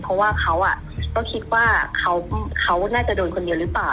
เพราะว่าเขาก็คิดว่าเขาน่าจะโดนคนเดียวหรือเปล่า